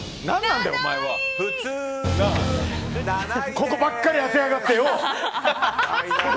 ここばっかり当てやがってよ！